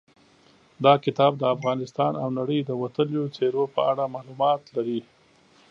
دا کتاب د افغانستان او نړۍ د وتلیو څېرو په اړه معلومات لري.